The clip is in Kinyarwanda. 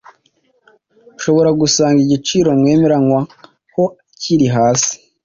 ushobora gusanga igiciro mwemeranywa ho kiri hasi